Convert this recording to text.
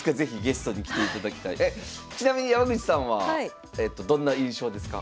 ちなみに山口さんはどんな印象ですか？